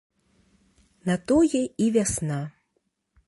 На тое і вясна.